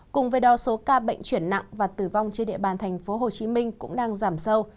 cùng với đo số ca bệnh chuyển nặng và tử vong trên địa bàn thành phố hồ chí minh cũng đang giảm sâu